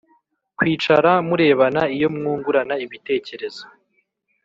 kwicara murebana iyo mwungurana ibitekerezo